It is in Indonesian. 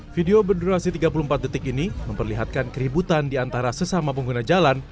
video berdurasi tiga puluh empat detik ini memperlihatkan keributan di antara sesama pengguna jalan